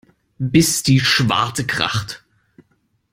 Bis die Schwarte kracht.